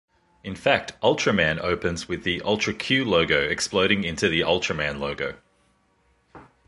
In fact, "Ultraman" opens with the "Ultra Q" logo exploding into the "Ultraman" logo.